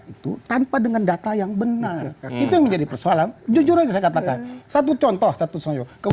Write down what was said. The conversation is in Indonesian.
itu tanpa dengan data yang benar itu menjadi problem jujur jatah satu contoh satu sonye i